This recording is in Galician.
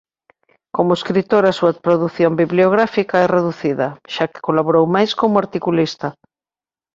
Como escritor a súa produción bibliográfica é reducida xa que colaborou máis como articulista.